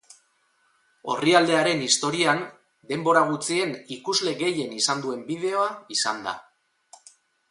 Orrialdearen historian, denbora gutxien ikusle gehien izan duen bideoa izan da.